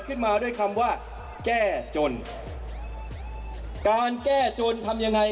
รัฐบาลนี้ใช้วิธีปล่อยให้จนมา๔ปีปีที่๕ค่อยมาแจกเงิน